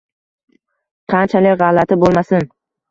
Qanchalik g‘alati bo‘lmasin